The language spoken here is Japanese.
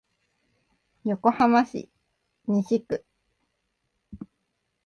横浜市西区